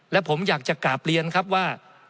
และผมอยากจะกราบเรียนครับว่า